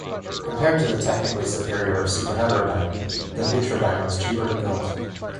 Compared to the technically superior superheterodyne the Neutrodyne was cheaper to build.